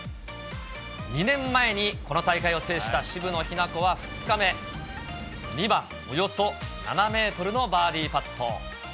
２年前にこの大会を制した渋野日向子は２日目、２番およそ７メートルのバーディーパット。